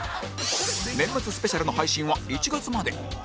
年末スペシャルの配信は１月まで